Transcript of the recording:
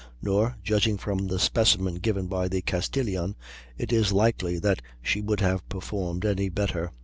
Nor, judging from the specimen given by the Castilian, is it likely that she would have performed any better."